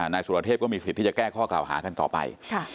นายสุรเทพก็มีสิทธิ์ที่จะแก้ข้อกล่าวหากันต่อไป